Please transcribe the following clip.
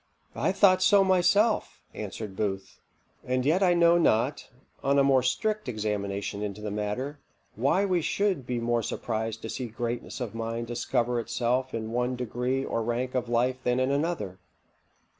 "I thought so myself," answered Booth; "and yet I know not, on a more strict examination into the matter, why we should be more surprised to see greatness of mind discover itself in one degree or rank of life than in another.